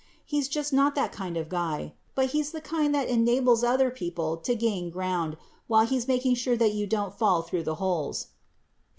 He's just not that kind of guy. But, he's the kind that enables other people to gain ground while he's making sure that you don't fall through the holes.